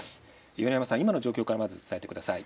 米山さん、今の状況からまず伝えてください。